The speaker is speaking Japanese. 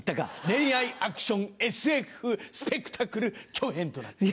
恋愛アクションＳＦスペクタクル長編となって。